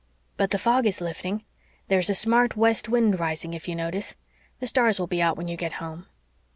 But the fog is lifting. "There's a smart west wind rising, if you notice. The stars will be out when you get home."